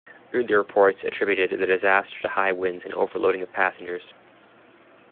Early reports attributed the disaster to high winds and overloading of passengers.